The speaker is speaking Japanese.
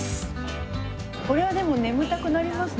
これはでも眠たくなりますね。